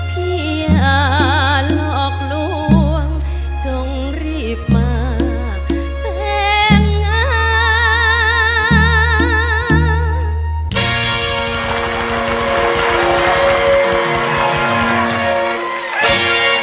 อย่าหลอกลวงจงรีบมาแต่งงาน